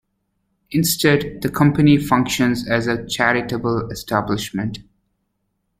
Instead, the Company functions as a charitable establishment.